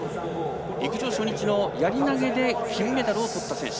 陸上初日のやり投げで金メダルをとった選手。